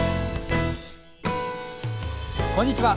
こんにちは。